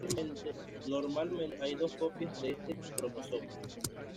Normalmente hay dos copias de este cromosoma.